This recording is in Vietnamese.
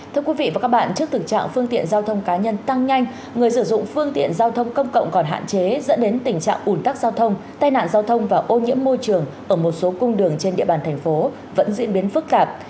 thưa quý vị và các bạn trước thực trạng phương tiện giao thông cá nhân tăng nhanh người sử dụng phương tiện giao thông công cộng còn hạn chế dẫn đến tình trạng ủn tắc giao thông tai nạn giao thông và ô nhiễm môi trường ở một số cung đường trên địa bàn thành phố vẫn diễn biến phức tạp